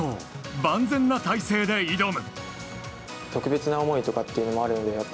万全な体制で挑む。